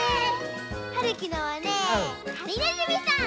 はるきのはねはりねずみさん。